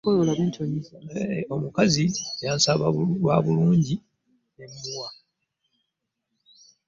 Omukazi yansaba lwa bulungi ne mmuwa.